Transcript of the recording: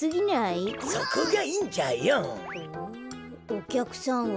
おきゃくさんは？